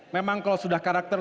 memang kalau sudah karakter